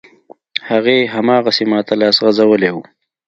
هغې، هماغسې ماته لاس غځولی و.